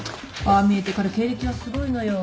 ああ見えて彼経歴はすごいのよ。